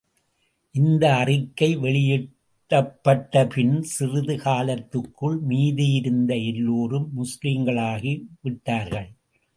இந்த அறிக்கை வெளியிடப்பட்ட பின், சிறிது காலத்துக்குள் மீதியிருந்த எல்லோரும் முஸ்லிம்களாகி விட்டார்கள்.